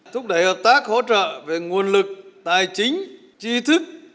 thúc đẩy hợp tác hỗ trợ về nguồn lực tài chính chi thức